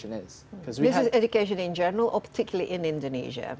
ini adalah pendidikan secara umum atau terutama di indonesia